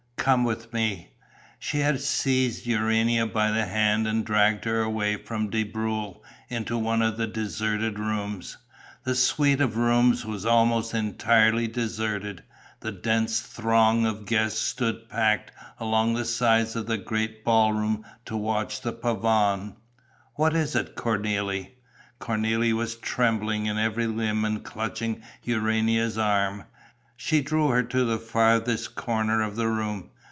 "Come with me...." She had seized Urania by the hand and dragged her away from De Breuil into one of the deserted rooms. The suite of rooms was almost entirely deserted; the dense throng of guests stood packed along the sides of the great ball room to watch the pavane. "What is it, Cornélie?" Cornélie was trembling in every limb and clutching Urania's arm. She drew her to the farthest corner of the room.